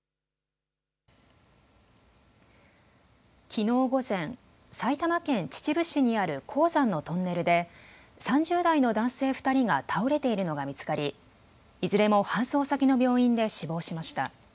きのう午前、埼玉県秩父市にある鉱山のトンネルで３０代の男性２人が倒れているのが見つかりいずれも搬送先の病院で死亡しました。